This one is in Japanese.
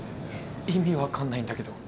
意味分かんないんだけど。